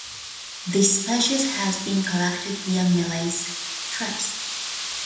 This species has been collected via malaise traps.